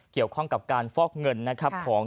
เกี่ยวข้องกับการฟอกเงินของ